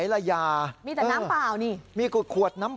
เราถือดูมันหนักนะมันดูสึกนะ